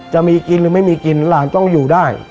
จะมีกินหรือไม่มีกินหลานต้องอยู่ได้